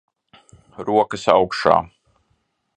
Rokas augšā.